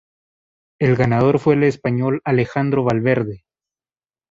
El ganador fue el español Alejandro Valverde.